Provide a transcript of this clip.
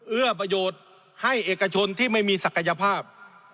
เอื้อประโยชน์ให้เอกชนที่ไม่มีศักยภาพ